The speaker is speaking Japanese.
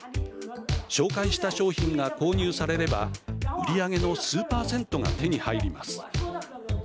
紹介した商品が購入されれば売り上げの数％が手に入ります。